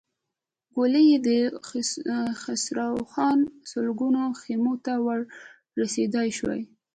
ګولۍ يې د خسروخان سلګونو خيمو ته ور رسېدای شوای.